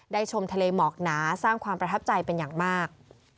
ชมทะเลหมอกหนาสร้างความประทับใจเป็นอย่างมาก